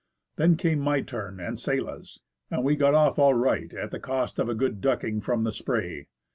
Then came my turn and Sella's ; and we got off all right at the cost of a good ducking from the spray.